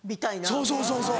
そうそうそうそう。